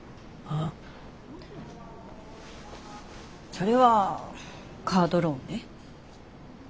それはカードローンで。